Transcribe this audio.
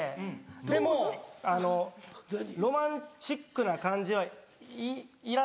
でもロマンチックな感じはいらない。